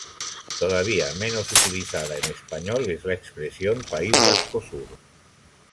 Todavía menos utilizada en español es la expresión "País Vasco sur".